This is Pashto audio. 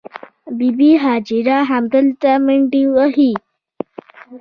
بې بي هاجرې همدلته منډې وهلې.